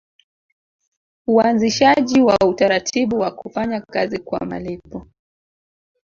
Uanzishaji wa utaratibu wa kufanya kazi kwa malipo